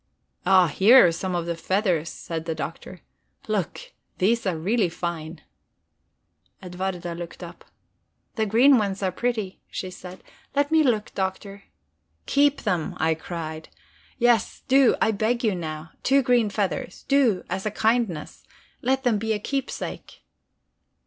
"Ah, here are some of the feathers," said the Doctor. "Look, these are really fine." Edwarda looked up. "The green ones are pretty," she said; "let me look, Doctor." "Keep them," I cried. "Yes, do, I beg you, now. Two green feathers. Do, as a kindness, let them be a keepsake."